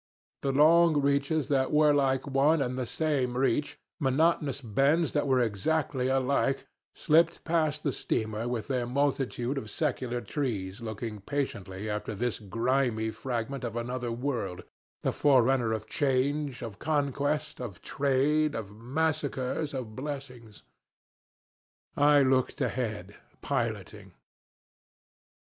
The long reaches that were like one and the same reach, monotonous bends that were exactly alike, slipped past the steamer with their multitude of secular trees looking patiently after this grimy fragment of another world, the forerunner of change, of conquest, of trade, of massacres, of blessings. I looked ahead piloting.